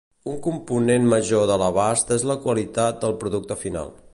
Un component major de l'abast és la qualitat del producte final.